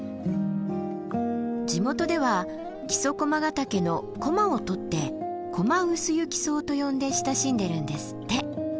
地元では木曽駒ヶ岳の「コマ」をとって「コマウスユキソウ」と呼んで親しんでいるんですって。